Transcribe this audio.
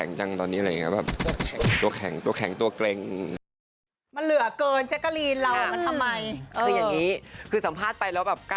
เห็นไหมยังคองมั้ยครับ